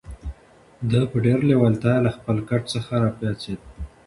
دی په ډېرې لېوالتیا له خپل کټ څخه را پاڅېد.